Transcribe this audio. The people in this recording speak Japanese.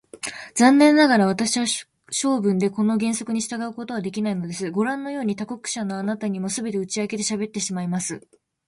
残念ながら、私は性分でこの原則に従うことができないのです。ごらんのように、他国者のあなたにも、すべて打ち明けてしゃべってしまいます。